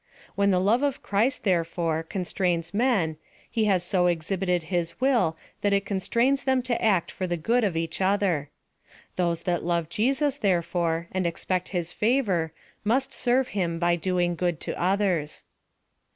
When the love of Christ, therefore, constrains men, he has so exhibited his v/ill, that it constrains them to act for the good of each other. Those that love Jcssus, therefore, and expect his favor, must serve him by doing good to others.